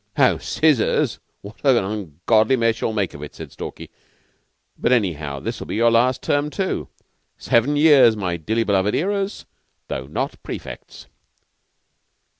"Oh, Scissors! What an ungodly mess you'll make of it," said Stalky. "But, anyhow, this will be your last term, too. Seven years, my dearly beloved 'earers though not prefects."